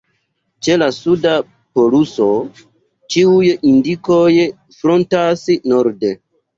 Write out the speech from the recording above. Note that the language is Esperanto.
Ĉe la suda poluso ĉiuj indikoj frontas norde.